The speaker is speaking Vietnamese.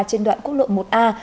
trên đoạn quốc lộ một a